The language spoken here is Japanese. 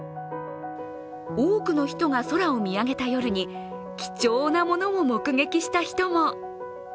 多くの人が空を見上げた夜に貴重なものを目撃した人も。